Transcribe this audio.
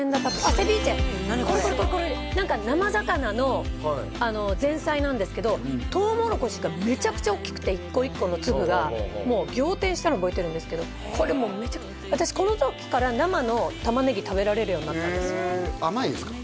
セビーチェこれこれこれこれ何か生魚の前菜なんですけどトウモロコシがめちゃくちゃおっきくて一個一個の粒がもう仰天したの覚えてるんですけどこれもめちゃ私この時から生のタマネギ食べられるようになったんですよへえ甘いんですか？